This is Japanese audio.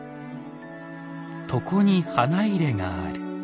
床に花入がある。